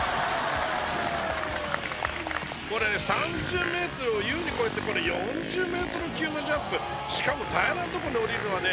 これね３０ｍを優に超えてこれ４０ｍ級のジャンプしかも平らなところにおりるのはね